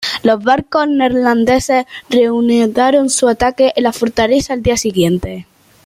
Los barcos neerlandeses reanudaron su ataque en la fortaleza el día siguiente.